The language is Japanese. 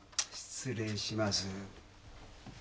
失礼します。